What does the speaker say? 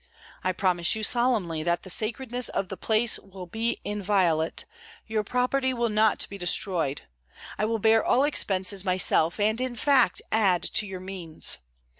I promise you solemnly that the sacredness of the place will be inviolate; your property will not be destroyed. I will bear all expenses myself, and in fact add to your means.